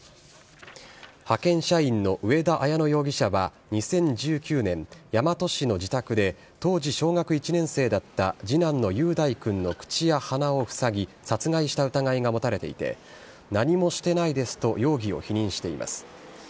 派遣社員の上田綾乃容疑者は２０１９年、大和市の自宅で、当時小学１年生だった次男の雄大君の口や鼻を塞ぎ殺害した疑いが持たれていて、何もしてないですと容疑を否認しています。